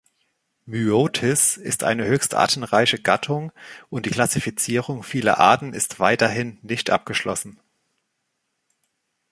„Myotis“ ist eine höchst artenreiche Gattung, und die Klassifizierung vieler Arten ist weiterhin nicht abgeschlossen.